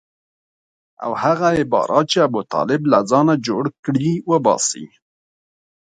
او هغه عبارات چې ابوطالب له ځانه جوړ کړي وباسي.